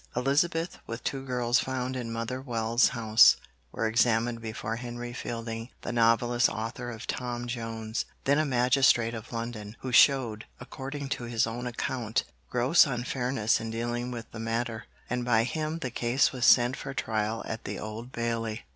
Elizabeth, with two girls found in Mother Wells' house, were examined before Henry Fielding, the novelist, author of 'Tom Jones,' then a magistrate of London, who showed, according to his own account, gross unfairness in dealing with the matter, and by him the case was sent for trial at the Old Bailey.